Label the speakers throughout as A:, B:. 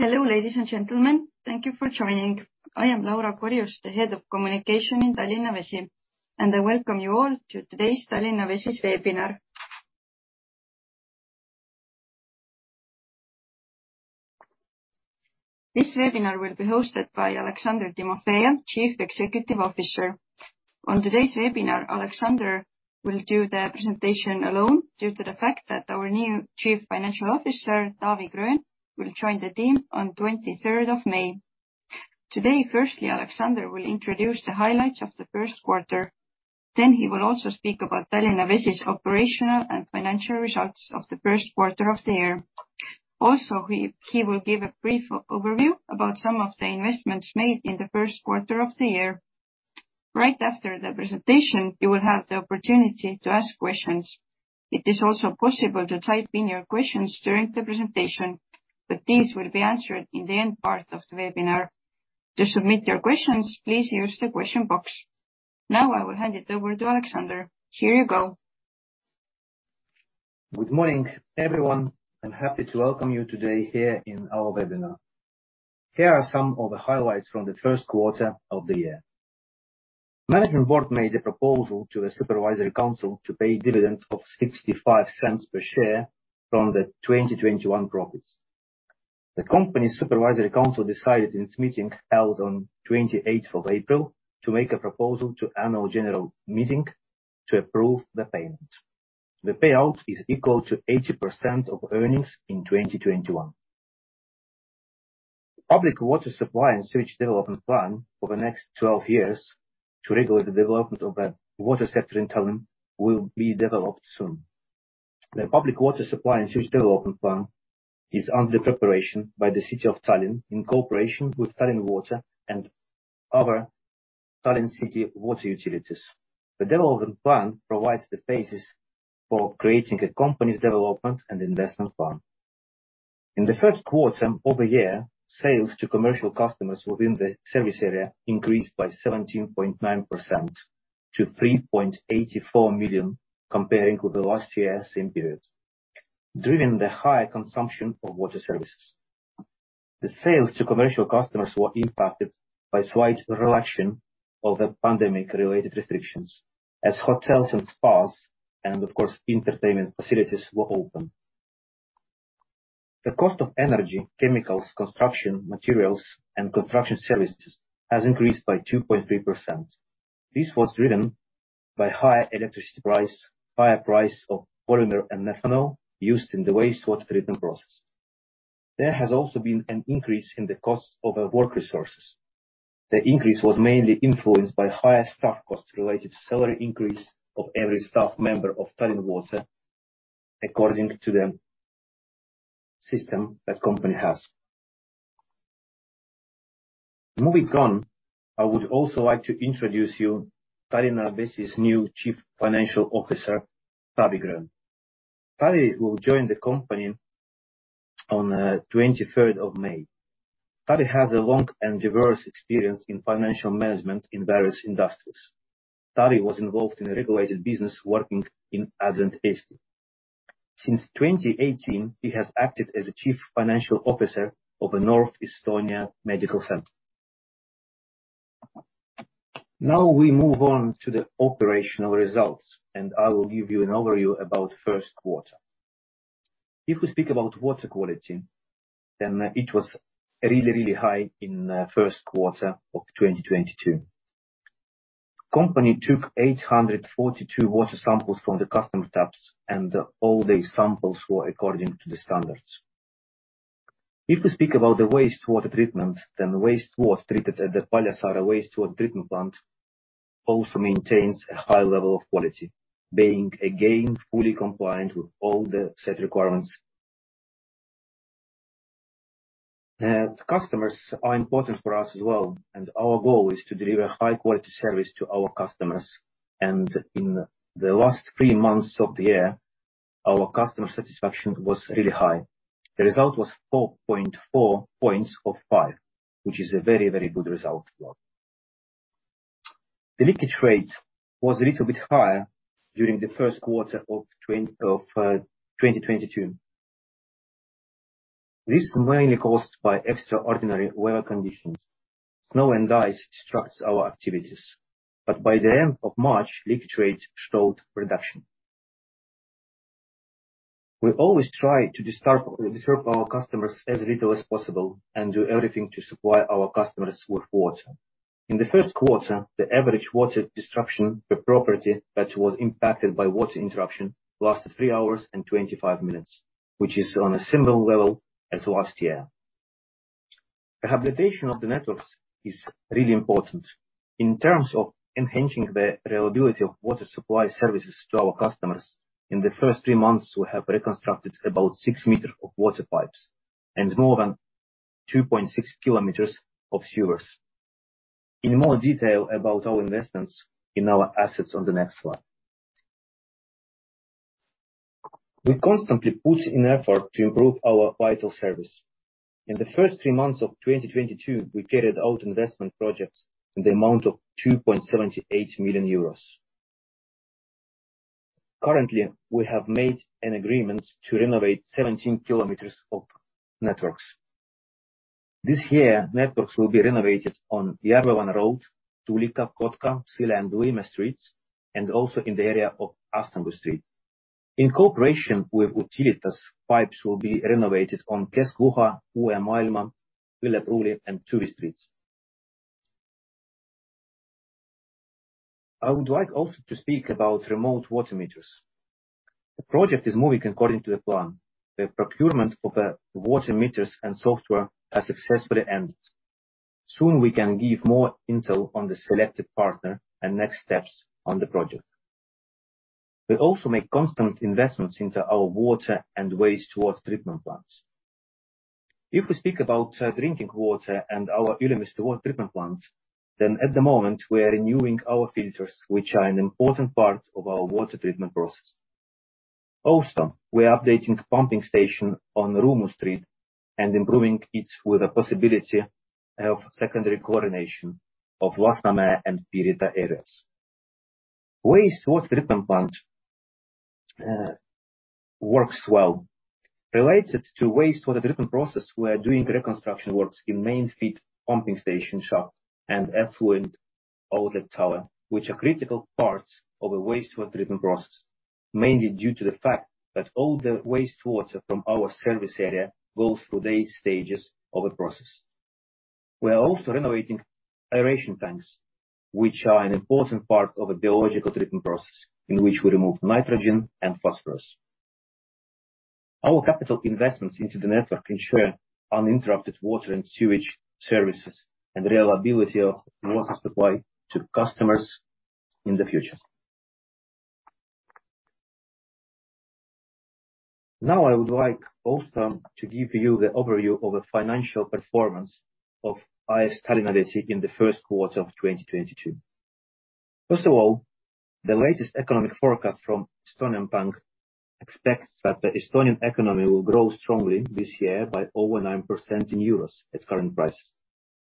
A: Hello, ladies and gentlemen. Thank you for joining. I am Laura Korjus, the Head of Communications in Tallinna Vesi, and I welcome you all to today's Tallinna Vesi's webinar. This webinar will be hosted by Aleksandr Timofejev, Chief Executive Officer. On today's webinar, Aleksandr will do the presentation alone due to the fact that our new Chief Financial Officer, Taavi Gröön, will join the team on 23rd of May. Today, firstly, Aleksandr will introduce the highlights of the first quarter. He will also speak about Tallinna Vesi's operational and financial results of the first quarter of the year. Also, he will give a brief overview about some of the investments made in the first quarter of the year. Right after the presentation, you will have the opportunity to ask questions. It is also possible to type in your questions during the presentation, but these will be answered in the end part of the webinar. To submit your questions, please use the question box. Now I will hand it over to Aleksandr. Here you go.
B: Good morning, everyone, happy to welcome you today here in our webinar. Here are some of the highlights from the first quarter of the year. Management board made a proposal to a supervisory council to pay dividends of 0.65 per share from the 2021 profits. The company's supervisory council decided in its meeting held on 28th of April to make a proposal to annual general meeting to approve the payment. The payout is equal to 80% of earnings in 2021. Public water supply and sewage development plan for the next 12 years to regulate the development of the water sector in Tallinn will be developed soon. The public water supply and sewage development plan is under preparation by the City of Tallinn in cooperation with Tallinn Water and other Tallinn city water utilities. The development plan provides the basis for creating a company's development and investment plan. In the first quarter of the year, sales to commercial customers within the service area increased by 17.9% to 3.84 million, compared to the same period last year, driven by the higher consumption of water services. The sales to commercial customers were impacted by slight reduction of the pandemic-related restrictions as hotels and spas and, of course, entertainment facilities were open. The cost of energy, chemicals, construction materials, and construction services has increased by 2.3%. This was driven by higher electricity price, higher price of polymer and methanol used in the wastewater treatment process. There has also been an increase in the cost of our work resources. The increase was mainly influenced by higher staff costs related to salary increase of every staff member of Tallinn Water according to the system that the company has. Moving on, I would also like to introduce you to Tallinna Vesi's new Chief Financial Officer, Taavi Gröön. Taavi will join the company on 23rd of May. Taavi has a long and diverse experience in financial management in various industries. Taavi was involved in a regulated business working in Adven Eesti. Since 2018, he has acted as a Chief Financial Officer of the North Estonia Medical Centre. Now we move on to the operational results, and I will give you an overview about first quarter. If we speak about water quality, then it was really, really high in first quarter of 2022. Company took 842 water samples from the customer taps, and all the samples were according to the standards. If we speak about the wastewater treatment, then wastewater treated at the Paljassaare Wastewater Treatment Plant also maintains a high level of quality, being again fully compliant with all the set requirements. Customers are important for us as well, and our goal is to deliver high-quality service to our customers. In the last three months of the year, our customer satisfaction was really high. The result was 4.4 points of five, which is a very, very good result as well. The leakage rate was a little bit higher during the first quarter of 2022. This mainly caused by extraordinary weather conditions. Snow and ice disrupts our activities. By the end of March, leakage rate showed reduction. We always try to disturb our customers as little as possible and do everything to supply our customers with water. In the first quarter, the average water disruption per property that was impacted by water interruption lasted 3 hours and 25 minutes, which is on a similar level as last year. Rehabilitation of the networks is really important. In terms of enhancing the reliability of water supply services to our customers, in the first three months, we have reconstructed about 6 m of water pipes and more than 2.6 km of sewers. In more detail about our investments in our assets on the next slide. We constantly put in effort to improve our vital service. In the first three months of 2022, we carried out investment projects in the amount of 2.78 million euros. Currently, we have made an agreement to renovate 17 km of networks. This year, networks will be renovated on Sõpruse puiestee, Tulika, Kotka, Silla and Luise streets, and also in the area of Astangu Street. In cooperation with Utilitas, pipes will be renovated on Kesk-Kalamaja, Uus Maailm, Vilepruuli and Turu streets. I would like also to speak about remote water meters. The project is moving according to the plan. The procurement of the water meters and software has successfully ended. Soon we can give more intel on the selected partner and next steps on the project. We also make constant investments into our water and wastewater treatment plants. If we speak about drinking water and our Ülemiste water treatment plant, then at the moment we are renewing our filters, which are an important part of our water treatment process. Also, we are updating pumping station on Rummu Street and improving it with the possibility of secondary chlorination of Lasnamäe and Pirita areas. Wastewater treatment plant works well. Related to wastewater treatment process, we are doing reconstruction works in main feed pumping station shaft and effluent outlet tower, which are critical parts of a wastewater treatment process, mainly due to the fact that all the wastewater from our service area goes through these stages of the process. We are also renovating aeration tanks, which are an important part of the biological treatment process in which we remove nitrogen and phosphorus. Our capital investments into the network ensure uninterrupted water and sewage services and reliability of water supply to customers in the future. Now I would like also to give you the overview of the financial performance of AS Tallinna Vesi in the first quarter of 2022. First of all, the latest economic forecast from Eesti Pank expects that the Estonian economy will grow strongly this year by over 9% in euros at current prices.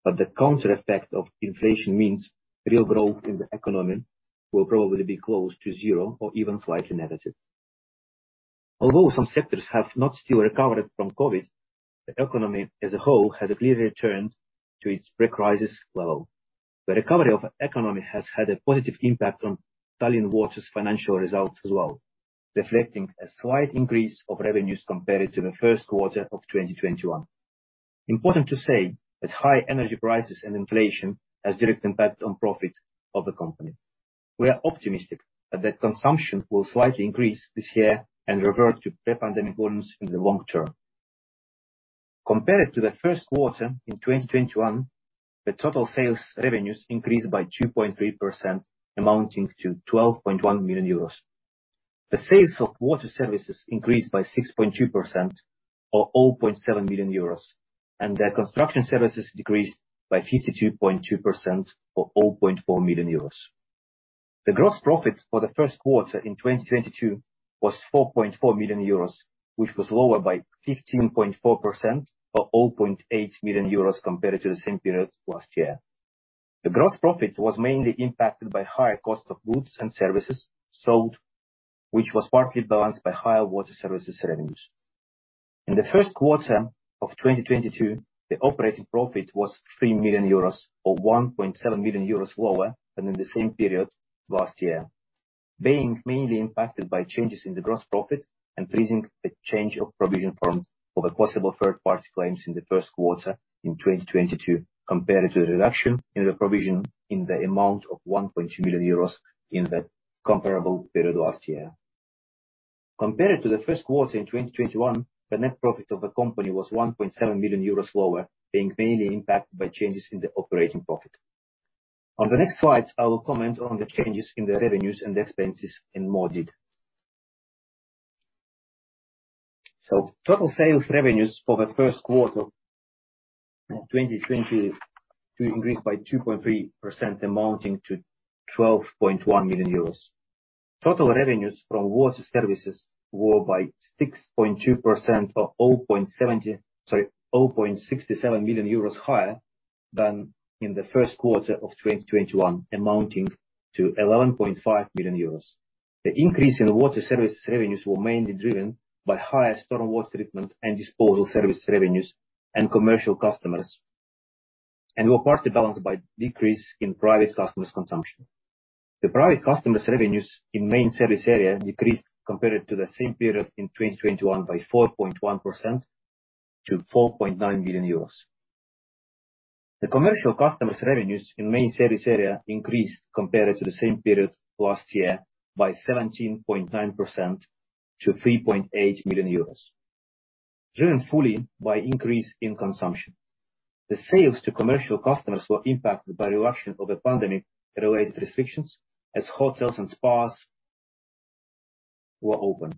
B: The counter effect of inflation means real growth in the economy will probably be close to zero or even slightly negative. Although some sectors have not still recovered from COVID, the economy as a whole has clearly returned to its pre-crisis level. The recovery of economy has had a positive impact on Tallinn Water's financial results as well, reflecting a slight increase of revenues compared to the first quarter of 2021. Important to say that high energy prices and inflation has direct impact on profit of the company. We are optimistic that the consumption will slightly increase this year and revert to pre-pandemic volumes in the long term. Compared to the first quarter in 2021, the total sales revenues increased by 2.3%, amounting to 12.1 million euros. The sales of water services increased by 6.2% or 0.7 million euros, and the construction services decreased by 52.2% or 0.4 million euros. The gross profit for the first quarter in 2022 was 4.4 million euros, which was lower by 15.4% or 0.8 million euros compared to the same period last year. The gross profit was mainly impacted by higher cost of goods and services sold, which was partly balanced by higher water services revenues. In the first quarter of 2022, the operating profit was 3 million euros or 1.7 million euros lower than in the same period last year, being mainly impacted by changes in the gross profit and plus the change in provision for the possible third-party claims in the first quarter in 2022, compared to the reduction in the provision in the amount of 1.2 million euros in the comparable period last year. Compared to the first quarter in 2021, the net profit of the company was 1.7 million euros lower, being mainly impacted by changes in the operating profit. On the next slide, I will comment on the changes in the revenues and expenses in more depth. Total sales revenues for the first quarter in 2022 increased by 2.3%, amounting to 12.1 million euros. Total revenues from water services were 6.2% or 0.67 million euros higher than in the first quarter of 2021, amounting to 11.5 million euros. The increase in water service revenues were mainly driven by higher stormwater treatment and disposal service revenues and commercial customers, and were partly balanced by decrease in private customers' consumption. The private customers' revenues in main service area decreased compared to the same period in 2021 by 4.1% to 4.9 million euros. The commercial customers' revenues in main service area increased compared to the same period last year by 17.9% to 3.8 million euros, driven fully by increase in consumption. The sales to commercial customers were impacted by reduction of the pandemic-related restrictions as hotels and spas were open.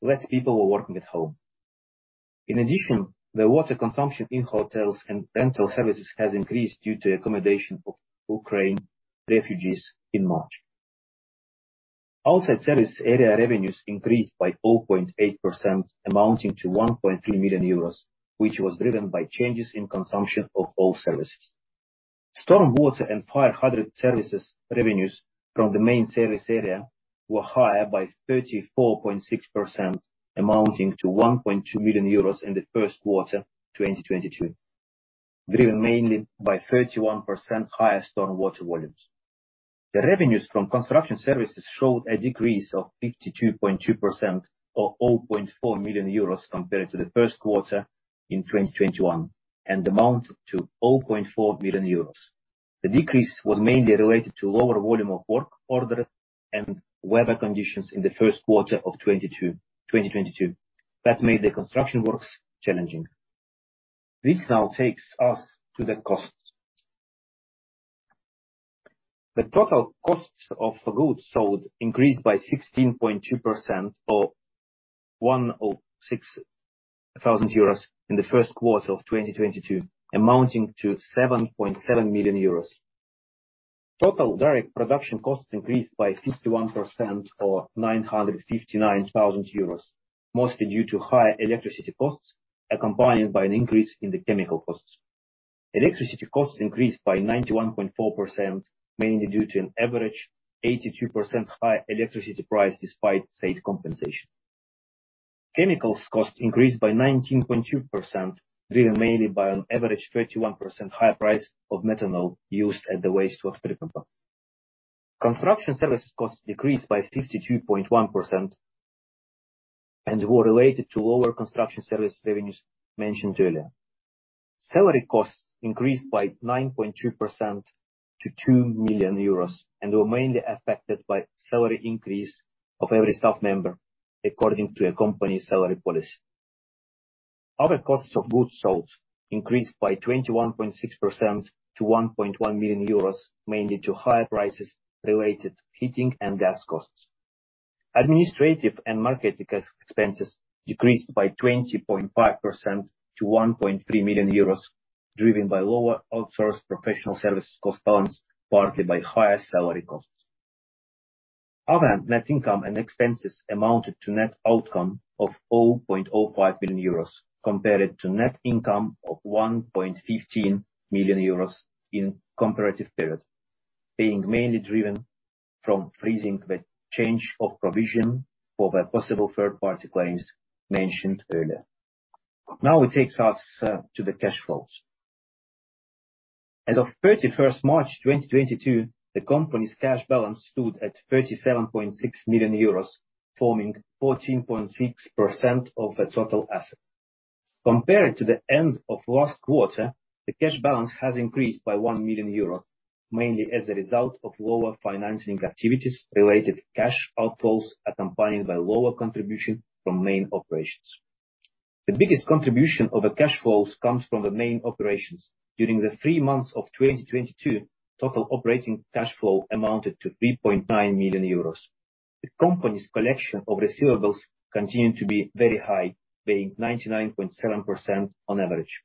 B: Less people were working at home. In addition, the water consumption in hotels and rental services has increased due to accommodation of Ukraine refugees in March. Outside service area revenues increased by 4.8%, amounting to 1.3 million euros, which was driven by changes in consumption of all services. Stormwater and fire hydrant services revenues from the main service area were higher by 34.6% amounting to 1.2 million euros in the first quarter 2022. Driven mainly by 31% higher stormwater volumes. The revenues from construction services showed a decrease of 52.2% or 0.4 million euros compared to the first quarter in 2021, and amounted to 0.4 million euros. The decrease was mainly related to lower volume of work orders and weather conditions in the first quarter of 2022 that made the construction works challenging. This now takes us to the costs. The total cost of goods sold increased by 16.2% or 106,000 euros in the first quarter of 2022, amounting to 7.7 million euros. Total direct production costs increased by 51% or 959,000 euros, mostly due to higher electricity costs, accompanied by an increase in the chemical costs. Electricity costs increased by 91.4%, mainly due to an average 82% higher electricity price despite state compensation. Chemicals cost increased by 19.2%, driven mainly by an average 21% higher price of methanol used at the wastewater treatment plant. Construction services costs decreased by 52.1% and were related to lower construction service revenues mentioned earlier. Salary costs increased by 9.2% to 2 million euros and were mainly affected by salary increase of every staff member according to a company's salary policy. Other costs of goods sold increased by 21.6% to 1.1 million euros, mainly due to higher prices related to heating and gas costs. Administrative and market expenses decreased by 20.5% to 1.3 million euros, driven by lower outsourced professional services cost balance, partly by higher salary costs. Other net income and expenses amounted to net outcome of 0.05 million euros compared to net income of 1.15 million euros in comparative period. Being mainly driven from freezing the change of provision for the possible third-party claims mentioned earlier. Now it takes us to the cash flows. As of 31 March 2022, the company's cash balance stood at 37.6 million euros, forming 14.6% of the total assets. Compared to the end of last quarter, the cash balance has increased by 1 million euros, mainly as a result of lower financing activities related cash outflows, accompanied by lower contribution from main operations. The biggest contribution of the cash flows comes from the main operations. During the three months of 2022, total operating cash flow amounted to 3.9 million euros. The company's collection of receivables continued to be very high, being 99.7% on average.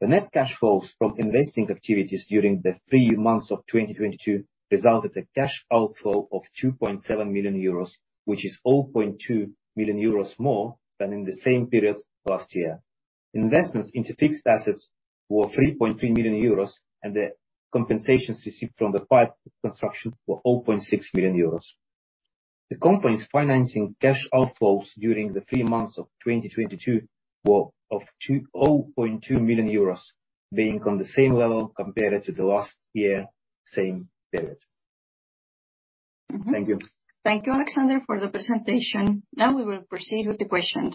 B: The net cash flows from investing activities during the three months of 2022 resulted a cash outflow of 2.7 million euros, which is 0.2 million euros more than in the same period last year. Investments into fixed assets were 3.3 million euros, and the compensations received from the pipe construction were 0.6 million euros. The company's financing cash outflows during the three months of 2022 were of 0.2 million euros, being on the same level compared to the last year same period. Thank you.
A: Thank you, Aleksandr, for the presentation. Now we will proceed with the questions.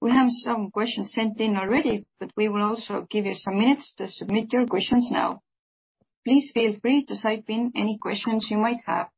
A: We have some questions sent in already, but we will also give you some minutes to submit your questions now. Please feel free to type in any questions you might have.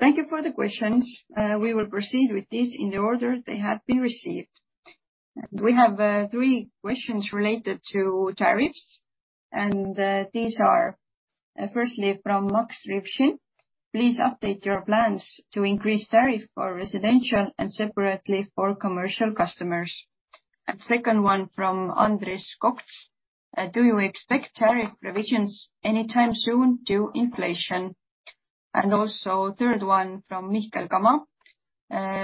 A: Thank you for the questions. We will proceed with these in the order they have been received. We have three questions related to tariffs, and these are, firstly from Max Rivshi, please update your plans to increase tariff for residential and separately for commercial customers. Second one from Andres Kokts, do you expect tariff revisions anytime soon due to inflation? Third one from Mihkel Gama,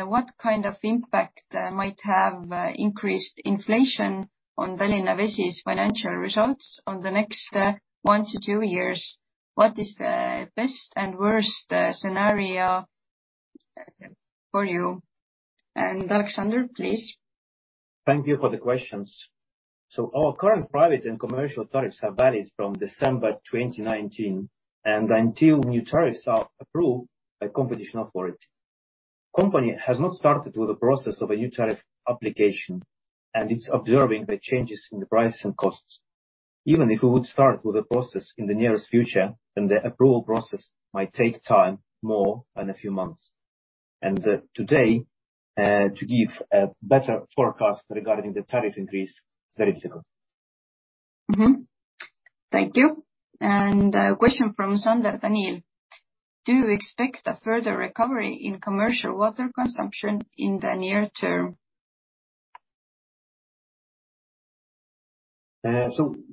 A: what kind of impact might have increased inflation on Tallinna Vesi's financial results on the next one to two years? What is the best and worst scenario for you? Aleksandr, please.
B: Thank you for the questions. Our current private and commercial tariffs are valid from December 2019, and until new tariffs are approved by Competition Authority. Company has not started with the process of a new tariff application, and it's observing the changes in the prices and costs. Even if we would start with the process in the near future, then the approval process might take more time than a few months. Today, to give a better forecast regarding the tariff increase is very difficult.
A: Thank you. A question from Sander Danil. Do you expect a further recovery in commercial water consumption in the near term?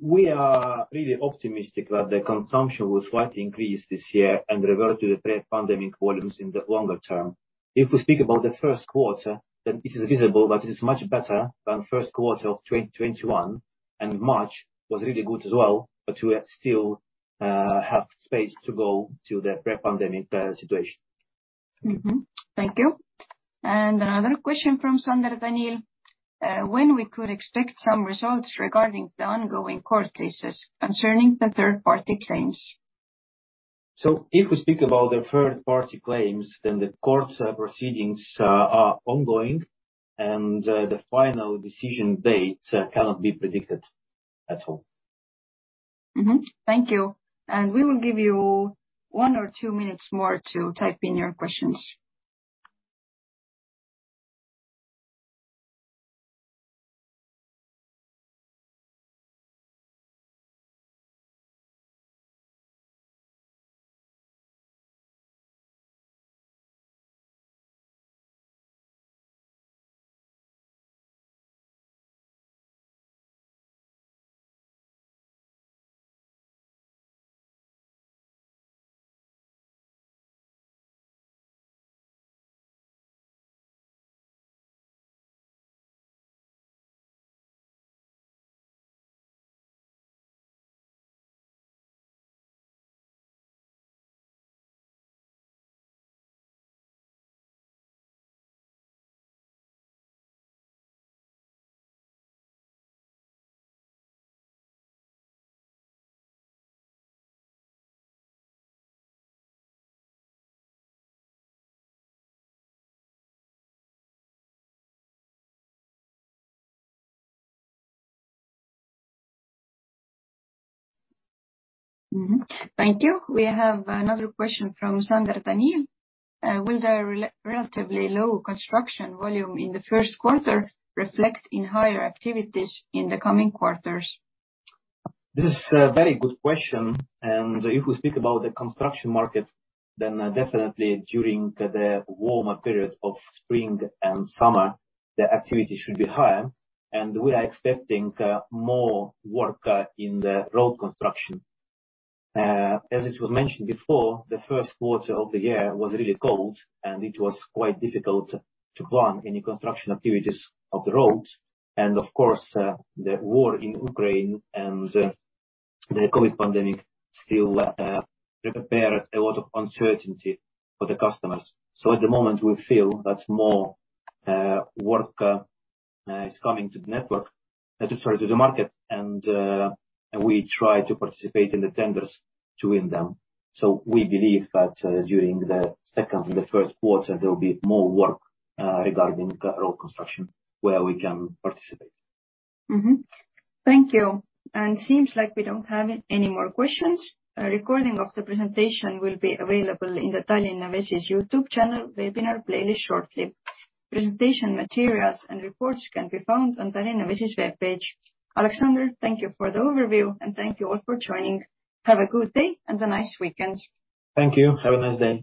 B: We are really optimistic that the consumption will slightly increase this year and revert to the pre-pandemic volumes in the longer term. If we speak about the first quarter, it is visible that it is much better than first quarter of 2021, and March was really good as well, but we still have space to go to the pre-pandemic situation.
A: Thank you. Another question from Sander Danil. When we could expect some results regarding the ongoing court cases concerning the third-party claims?
B: If we speak about the third party claims, then the court proceedings are ongoing, and the final decision date cannot be predicted at all.
A: Thank you. We will give you one or two minutes more to type in your questions. Thank you. We have another question from Sander Danil. Will the relatively low construction volume in the first quarter reflect in higher activities in the coming quarters?
B: This is a very good question. If we speak about the construction market, then, definitely during the warmer period of spring and summer, the activity should be higher. We are expecting more work in the road construction. As it was mentioned before, the first quarter of the year was really cold, and it was quite difficult to plan any construction activities of the roads. Of course, the war in Ukraine and the COVID pandemic still create a lot of uncertainty for the customers. At the moment, we feel that more work is coming to the market. We try to participate in the tenders to win them. We believe that, during the second and the third quarter, there will be more work regarding road construction where we can participate.
A: Thank you. Seems like we don't have any more questions. A recording of the presentation will be available in the Tallinna Vesi's YouTube channel webinar playlist shortly. Presentation materials and reports can be found on Tallinna Vesi's webpage. Aleksandr, thank you for the overview, and thank you all for joining. Have a good day and a nice weekend.
B: Thank you. Have a nice day.